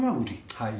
はい。